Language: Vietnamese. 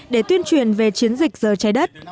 để tuyên truyền về chiến dịch giờ trái đất